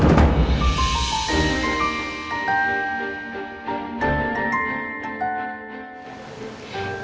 ya udah tante